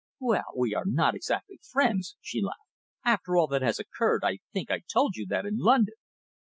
"Well, we are not exactly friends," she laughed, "after all that has occurred. I think I told you that in London."